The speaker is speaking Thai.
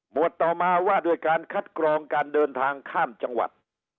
วดต่อมาว่าด้วยการคัดกรองการเดินทางข้ามจังหวัด